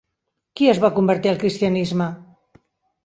Qui es va convertir al cristianisme?